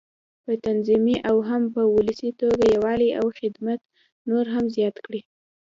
په تنظيمي او هم په ولسي توګه یووالی او خدمت نور هم زیات کړي.